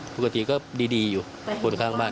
ปกติก็ดีอยู่คนข้างบ้าน